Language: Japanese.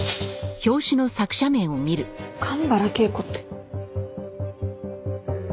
「神原恵子」って。